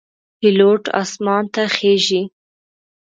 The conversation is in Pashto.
پیلوټ آسمان ته خیژي.